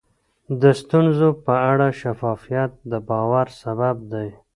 د ستونزو په اړه شفافیت د باور سبب دی.